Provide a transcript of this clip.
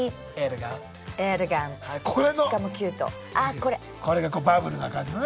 これがバブルな感じのね。